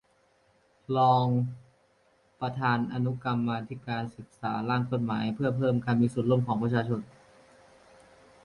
รองประธานอนุกรรมาธิการศึกษาร่างกฎหมายเพื่อเพิ่มการมีส่วนร่วมของประชาชน